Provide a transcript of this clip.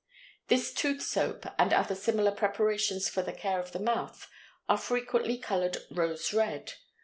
This tooth soap and other similar preparations for the care of the mouth are frequently colored rose red.